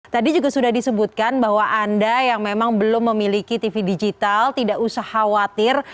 tadi juga sudah disebutkan bahwa anda yang memang belum memiliki tv digital tidak usah khawatir